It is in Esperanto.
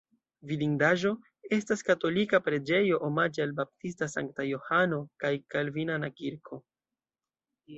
Vidindaĵo estas katolika preĝejo omaĝe al Baptista Sankta Johano kaj kalvinana kirko.